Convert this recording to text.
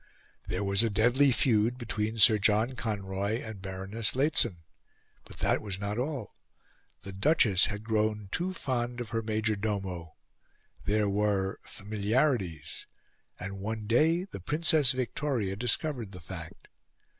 There was a deadly feud between Sir John Conroy and Baroness Lehzen. But that was not all. The Duchess had grown too fond of her Major Domo. There were familiarities, and one day the Princess Victoria discovered the fact.